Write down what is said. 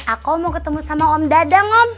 aku mau ketemu sama om dadang om